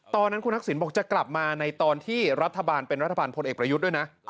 ตอนนั้นคุณทักษิณบอกจะกลับมาในตอนที่รัฐบาลเป็นรัฐบาลพลเอกประยุทธ์ด้วยนะ